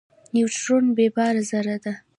نیوترون بېباره ذره ده.